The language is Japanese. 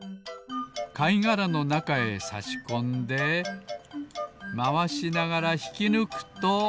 かいがらのなかへさしこんでまわしながらひきぬくと。